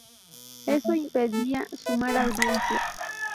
Eso impedía sumar audiencia.